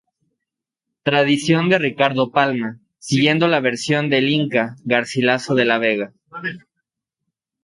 Tradición de Ricardo Palma, siguiendo la versión del Inca Garcilaso de la Vega.